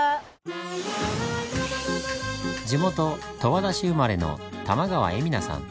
地元十和田市生まれの玉川えみ那さん。